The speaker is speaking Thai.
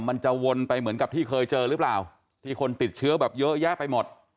มันจะวนไปเหมือนกับที่เคยเจอหรือเปล่าที่คนติดเชื้อแบบเยอะแยะไปหมด